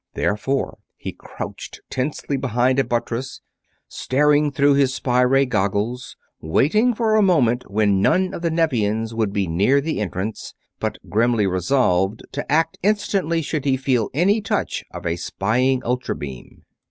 Therefore he crouched tensely behind a buttress, staring through his spy ray goggles, waiting for a moment when none of the Nevians would be near the entrance, but grimly resolved to act instantly should he feel any touch of a spying ultra beam.